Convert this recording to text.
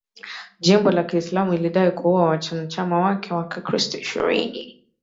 Jimbo ya Kiislamu ilidai kuua wanachama wake wa kikristo ishirini.